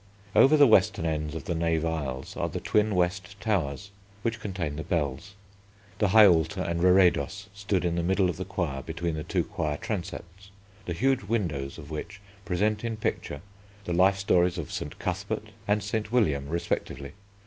Over the western ends of the Nave aisles are the twin west towers, which contain the bells. The high altar and reredos stood in the middle of the Choir between the two choir transepts, the huge windows of which present in picture the life stories of St. Cuthbert and St. William respectively.